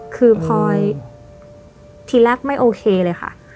คือพลอยทีแรกไม่โอเคเลยค่ะ